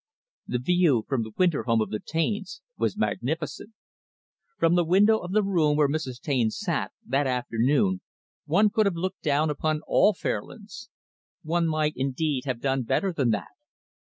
The view from the winter home of the Taines was magnificent. From the window of the room where Mrs. Taine sat, that afternoon, one could have looked down upon all Fairlands. One might, indeed, have done better than that.